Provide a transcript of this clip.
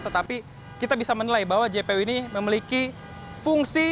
tetapi kita bisa menilai bahwa jpo ini memiliki fungsi